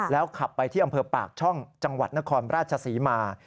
แล้วขับไปที่อำเภอปากช่องจังหวัดนครราชศรีมา